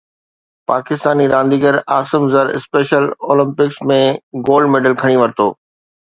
پاڪستاني رانديگر Asim Zar special Olympics ۾ gold medal کٽي ورتو